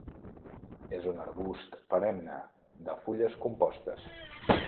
És un arbust perenne, de fulles compostes.